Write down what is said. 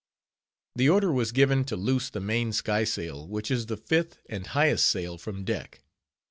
The order was given to loose the main skysail, which is the fifth and highest sail from deck.